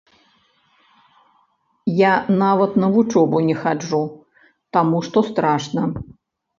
Я нават на вучобу не хаджу, таму што страшна.